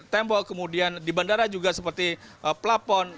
tembok kemudian di bandara juga seperti plapon